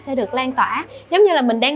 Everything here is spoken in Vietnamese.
sẽ được lan tỏa giống như là mình đang